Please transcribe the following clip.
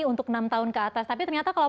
untuk enam tahun ke atas tapi ternyata kalau